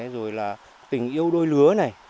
rồi là tình yêu đôi lứa này